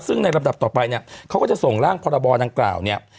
ซึ่งในลำดับต่อไปเนี่ยเขาก็จะส่งร่างพรบดังกล่าวเนี่ย